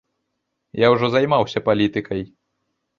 Я ўжо займаўся палітыкай.